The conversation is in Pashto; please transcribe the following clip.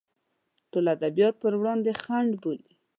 ټول ادبیات پر وړاندې خنډ بولي.